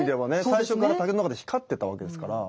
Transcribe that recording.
最初から竹の中で光ってたわけですから。